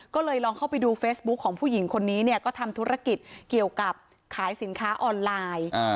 ก็เลยลองเข้าไปดูเฟซบุ๊คของผู้หญิงคนนี้เนี่ยก็ทำธุรกิจเกี่ยวกับขายสินค้าออนไลน์